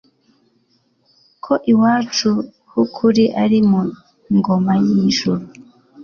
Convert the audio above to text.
ko iwacu h'ukuri ari mu ngoma y'ijuru